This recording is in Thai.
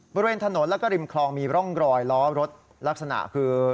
บริเวณถนนแล้วก็ริมคลองมีร่องรอยล้อรถลักษณะคือ